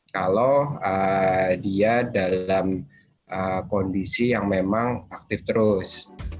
kalau dia dalam kondisi yang memang aktif terus